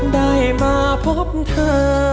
ได้มาพบเธอ